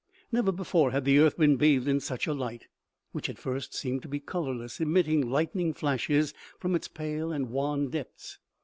Never before had the earth been bathed in such a light, which at first seemed to be colorless, emitting lightning flashes from its pale and wan depths.